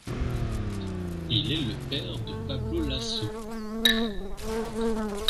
Il est le père de Pablo Laso.